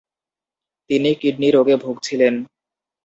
তিনি কিডনি রোগে ভুগছিলেন।